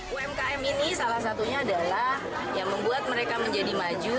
umkm ini salah satunya adalah yang membuat mereka menjadi maju